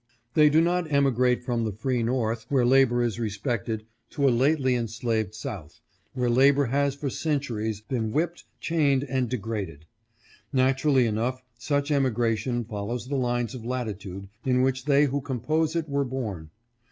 They do not emigrate from the free North, where labor is respected, to a lately enslaved South, where labor has for centuries been whipped, chained and degraded. Naturally enough such emigration follows the lines of latitude in which they who compose it were born.